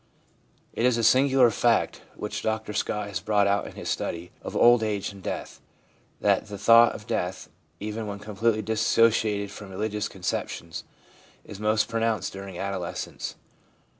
It is a singular fact, which Dr Scott ! has brought out in his study of c Old Age and Death/ that the thought of death, even when completely dissociated from religious conceptions, is most pronounced during adolescence.